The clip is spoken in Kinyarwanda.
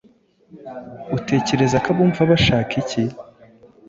Utekereza ko abumva bashaka iki?